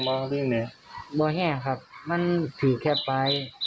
ไม่แห่งครับมันถือแค่ปลาย